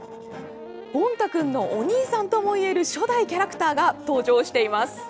ゴン太くんのお兄さんともいえる初代キャラクターが登場しています。